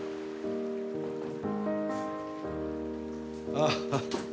ああ。